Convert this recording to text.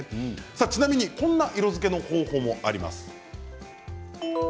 ちなみにこんな色づけの方法もかわいい。